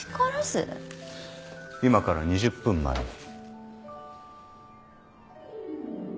今から２０分前に。